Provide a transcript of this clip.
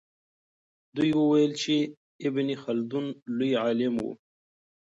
دوی وویل چې ابن خلدون لوی عالم و.